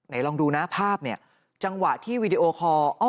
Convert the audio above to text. ลองดูนะภาพเนี่ยจังหวะที่วีดีโอคอร์